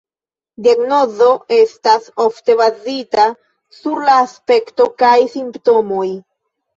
Diagnozo estas ofte bazita sur la aspekto kaj simptomoj.